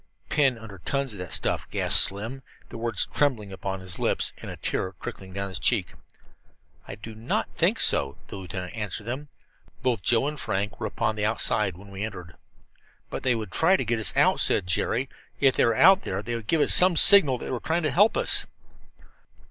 "Pinned under tons of that stuff," gasped Slim, the words trembling upon his lips and a tear trickling down his cheek. "I do not think so," the lieutenant assured them. "Both Joe and Frank were upon the outside when we entered." "But they would try to get us out," said Jerry. "If they were out there they would give us some sort of signal that they were trying to help us."